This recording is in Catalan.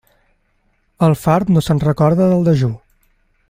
El fart no se'n recorda del dejú.